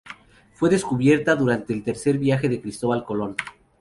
Fue descubierta durante el tercer viaje de Cristóbal Colón.